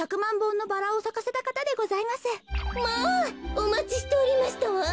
おまちしておりましたわん。